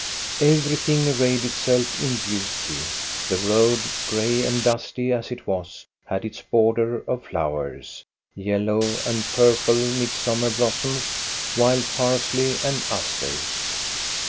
Everything arrayed itself in beauty. The road, gray and dusty as it was, had its border of flowers : yellow and purple midsummer blossoms, wild parsley, and asters.